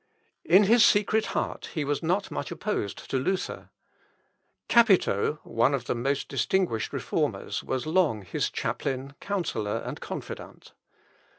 In his secret heart he was not much opposed to Luther. Capito, one of the most distinguished Reformers, was long his chaplain, counsellor, and confidant.